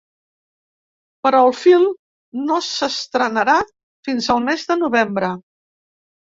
Però el film no s’estrenarà fins el mes de novembre.